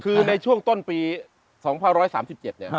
คือในช่วงต้นปี๒๓๗เนี่ย